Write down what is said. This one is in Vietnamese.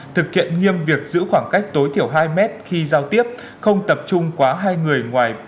thực hiện nghiêm việc giữ khoảng cách tối thiểu hai mét khi giao tiếp không tập trung quá hai người ngoài